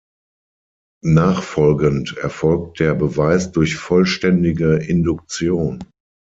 Nachfolgend erfolgt der Beweis durch vollständige Induktion.